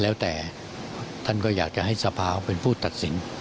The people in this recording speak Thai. แล้วแต่ท่านก็อยากจะให้สภาเป็นผู้ตัดสิน